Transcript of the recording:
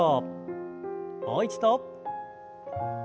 もう一度。